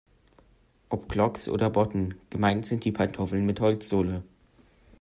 Ob Clogs oder Botten, gemeint sind die Pantoffeln mit Holzsohle.